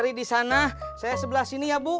nom giant mak server ya ibu